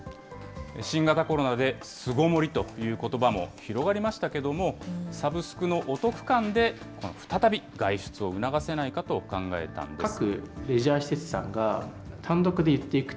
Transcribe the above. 新型コロナで巣ごもりということばも広がりましたけども、サブスクのお得感で、再び外出を促せないかと考えたんです。